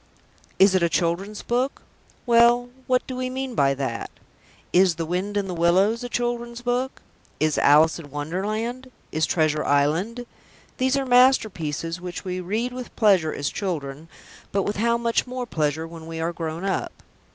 Is it a children's book? Well, what do we mean by that? Is The Wind in the Willows a children's book? Is Alice in Wonderland? Is Treasure Island? These are masterpieces which we read with pleasure as children, but with how much more pleasure when we are grown up.